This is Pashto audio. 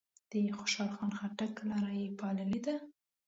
د خوشحال خان خټک لار یې پاللې ده.